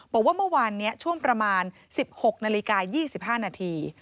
บอกว่าเมื่อวานนี้ช่วงประมาณ๑๖นาฬิกา๒๕นาที